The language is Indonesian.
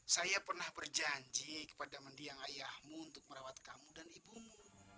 saya pernah berjanji kepada mendiang ayahmu untuk merawat kamu dan ibumu